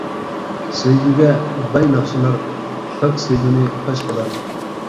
سۆيگۈگە باي ناخشىلار، پاك سۆيگۈنى پاش قىلار.